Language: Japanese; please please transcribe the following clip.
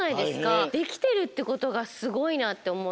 できてるってことがすごいなっておもった。